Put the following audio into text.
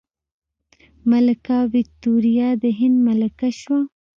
ملکه ویکتوریا د هند ملکه شوه.